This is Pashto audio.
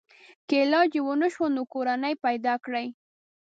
که علاج یې ونشو نو کورنۍ پیدا کړي.